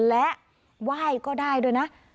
และไหว้ก็ได้ด้วยนะ